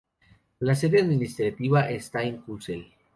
La sede administrativa está en Kusel.